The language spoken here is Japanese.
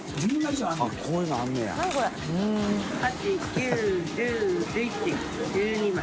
９１０１１１２枚。